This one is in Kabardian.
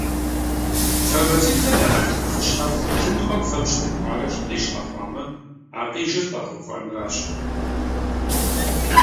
Тромбоцитхэм я къалэн нэхъыщхьэр — лъынтхуэм фэбжь техуарэ лъыкъиж къэхъуамэ, а къижыр къэгъэувыӏэнращ.